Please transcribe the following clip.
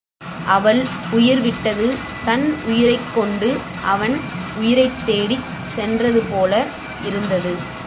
அவள் உயிர்விட்டது தன் உயிரைக் கொண்டு அவன் உயிரைத் தேடிச் சென்றது போல இருந்தது.